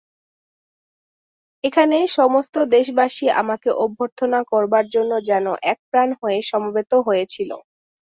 এখানে সমস্ত দেশবাসী আমাকে অভ্যর্থনা করবার জন্য যেন একপ্রাণ হয়ে সমবেত হয়েছিল।